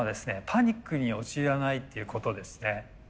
パニックに陥らないっていうことですね。